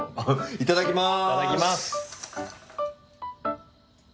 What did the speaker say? いただきます。